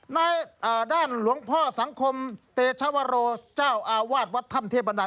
ด้านหลวงพ่อสังคมเตชวโรเจ้าอาวาสวัดถ้ำเทพดา